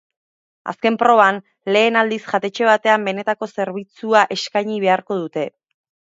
Azken proban, lehen aldiz jatetxe batean benetako zerbitzua eskaini beharko dute.